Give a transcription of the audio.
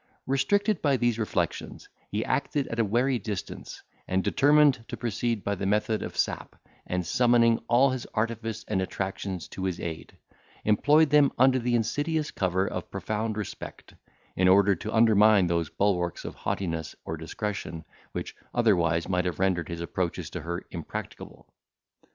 Restricted by these reflections, he acted at a wary distance, and determined to proceed by the method of sap, and, summoning all his artifice and attractions to his aid, employed them under the insidious cover of profound respect, in order to undermine those bulwarks of haughtiness or discretion, which otherwise might have rendered his approaches to her impracticable.